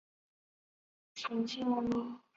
曾效力于近铁野牛及横滨湾星。